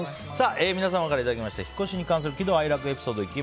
皆様からいただきました引っ越しに関する喜怒哀楽エピソード。